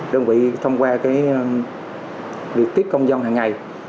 đồng bộ thông qua việc tiếp công dân hằng ngày